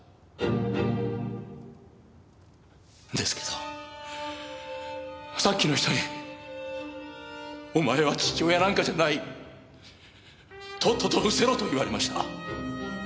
ですけどさっきの人に「お前は父親なんかじゃない」「とっとと失せろ」と言われました。